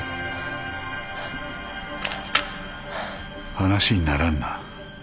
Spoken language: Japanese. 話にならんな。